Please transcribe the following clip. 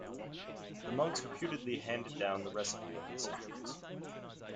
The monks reputedly handed down the recipe over the centuries.